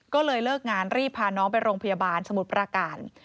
ก็เลยเลิกงานรีบพาน้องไปโรงพยาบาลสมุทรประการ